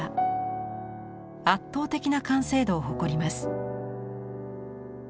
圧倒的な完成度を誇ります。